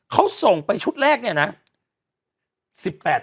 เขาส่งไปชุดแรกเนี่ยนะ